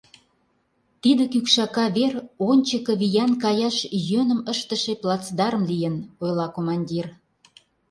Тиде кӱкшака вер ончыко виян каяш йӧным ыштыше плацдарм лийын, — ойла командир.